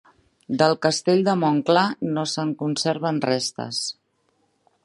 Del castell de Montclar no se'n conserven restes.